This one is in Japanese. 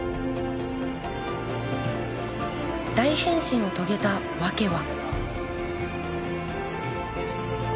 大変身を遂げた訳は。